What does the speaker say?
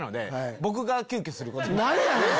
何やねん！